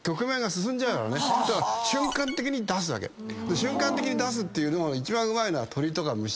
瞬間的に出すっていうのを一番うまいのは鳥とか虫。